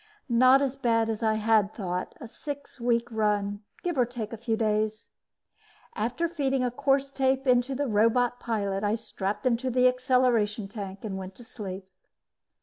Not as bad as I had thought a six week run, give or take a few days. After feeding a course tape into the robot pilot, I strapped into the acceleration tank and went to sleep.